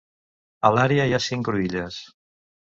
A l'àrea hi ha cinc cruïlles.